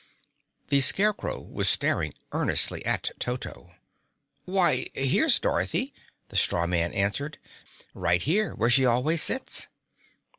The Scarecrow was staring earnestly at Toto. "Why, here's Dorothy," the straw man answered. "Right here, where she always sits."